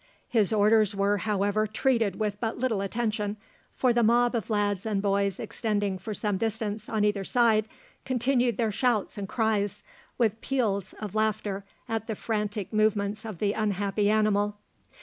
His orders were, however, treated with but little attention, for the mob of lads and boys extending for some distance on either side continued their shouts and cries, with peals of laughter at the frantic movements of the unhappy animal.